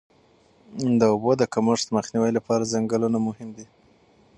د اوبو د کمښت مخنیوي لپاره ځنګلونه مهم دي.